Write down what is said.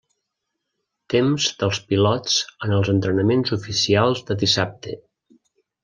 Temps dels pilots en els entrenaments oficials de dissabte.